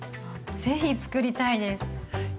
ぜひつくりたいです！